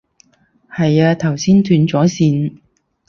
係啊，頭先斷咗線